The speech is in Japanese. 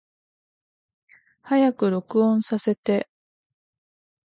早く録音させて